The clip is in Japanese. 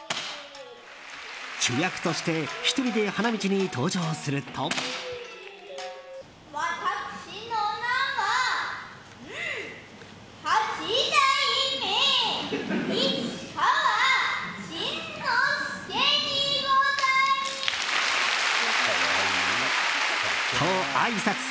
主役として１人で花道に登場すると。と、あいさつ。